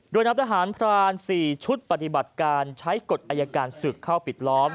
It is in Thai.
โดยนับทหารพราน๔ชุดปฏิบัติการใช้กฎอายการศึกเข้าปิดล้อม